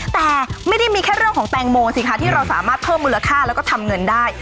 แต่ไม่ได้มีแค่เรื่องของแตงโมสิคะที่เราสามารถเพิ่มมูลค่าแล้วก็ทำเงินได้